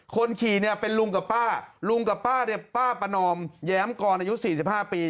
คนขี่เนี่ยเป็นลุงกับป้าลุงกับป้าเนี่ยป้าประนอมแย้มกรอายุ๔๕ปี